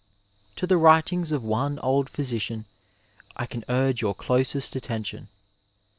To the writings of one old physician I can urge your closest attention.